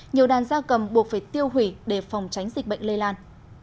nhiều đàn da cầm buộc phải tiêu hủy để phòng tránh dịch bệnh lây lan